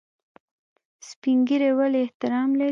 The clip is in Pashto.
سپین ږیری ولې احترام لري؟